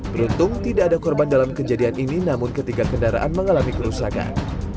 beruntung tidak ada korban dalam kejadian ini namun ketiga kendaraan mengalami kerusakan